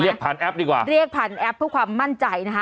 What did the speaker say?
ผ่านแอปดีกว่าเรียกผ่านแอปเพื่อความมั่นใจนะคะ